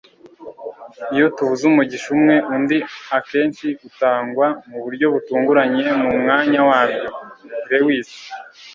iyo tubuze umugisha umwe, undi akenshi utangwa mu buryo butunguranye mu mwanya wabyo - c s lewis